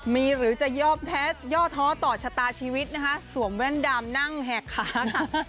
มีหรือจะย่อแท้ย่อท้อต่อชะตาชีวิตนะคะสวมแว่นดำนั่งแหกขาค่ะ